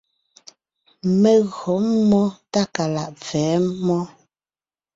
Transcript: Mé gÿo mmó Tákalaʼ pfɛ̌ mmó.